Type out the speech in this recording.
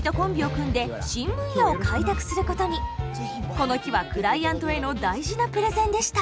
この日はクライアントへの大事なプレゼンでした。